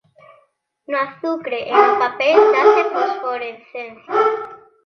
No azucre e no papel dáse fosforescencia.